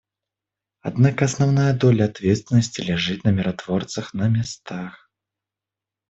Однако основная доля ответственности лежит на миротворцах на местах.